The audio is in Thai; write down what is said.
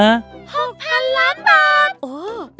๖๐๐๐ล้านบาท